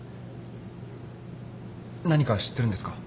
何か知ってるんですか？